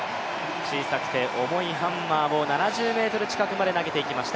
小さくて重いハンマーを７５ｍ近くまで投げていきました。